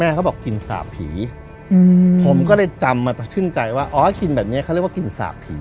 เขาบอกกลิ่นสาบผีผมก็เลยจำมาชื่นใจว่าอ๋อกลิ่นแบบนี้เขาเรียกว่ากลิ่นสาบผี